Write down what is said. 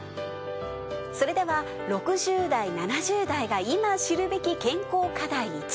それでは６０代７０代が今知るべき健康課題